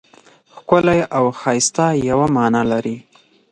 ښکلی او ښایسته یوه مانا لري.